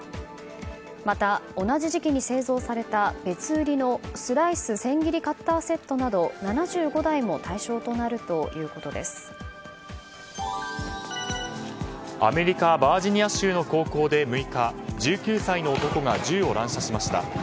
また、同じ時期に製造された別売りの、スライス・せん切りカッターセットなど７５台もアメリカ・バージニア州の高校で６日１９歳の男が銃を乱射しました。